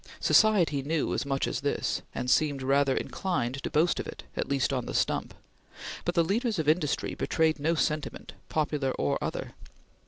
Society knew as much as this, and seemed rather inclined to boast of it, at least on the stump; but the leaders of industry betrayed no sentiment, popular or other.